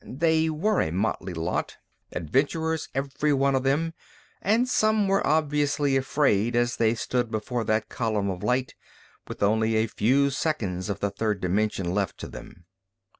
They were a motley lot, adventurers every one of them, and some were obviously afraid as they stood before that column of light, with only a few seconds of the third dimension left to them.